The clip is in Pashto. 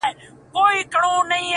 ه مړ يې که ژونديه ستا. ستا خبر نه راځي.